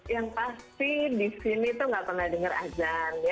yang pasti di sini tuh nggak pernah dengar azan